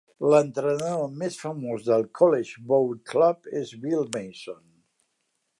L'entrenador més famós del College Boat Club és Bill Mason.